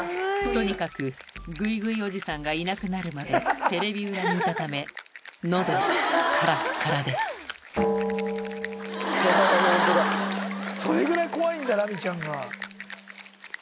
とにかくグイグイおじさんがいなくなるまでテレビ裏にいたため喉カラッカラですそれぐらい怖いんだラミちゃんが。